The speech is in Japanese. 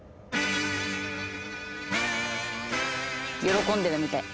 喜んでるみたい。